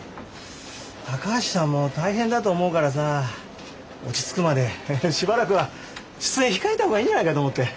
橋ちゃんも大変だと思うからさ落ち着くまでしばらくは出演控えた方がいいんじゃないかと思って。